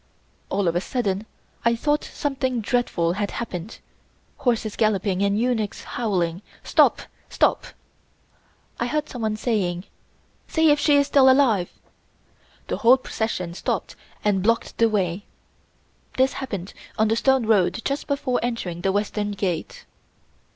All of a sudden I thought something dreadful had happened, horses galloping and eunuchs howling: "Stop! Stop!!" I heard someone saying: "See if she is still alive." The whole procession stopped and blocked the way. This happened on the stone road just before entering the Western Gate.